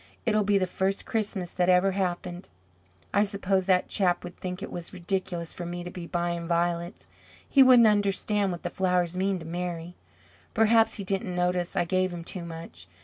It'll be the first Christmas that ever happened. I suppose that chap would think it was ridiculous for me to be buying violets. He wouldn't understand what the flowers mean to Mary. Perhaps he didn't notice I gave him too much.